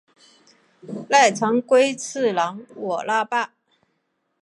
濑长龟次郎我那霸。